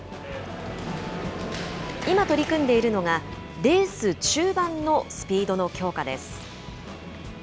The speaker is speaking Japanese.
今取り組んでいるのが、レース中盤のスピードの強化です。